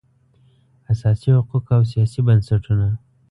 اساسي حقوق او سیاسي بنسټونه